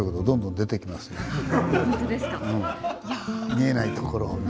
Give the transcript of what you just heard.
見えないところを見て。